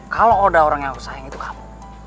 kalau ada orang yang aku sayang itu kamu